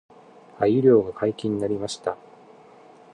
鮎漁が解禁になりました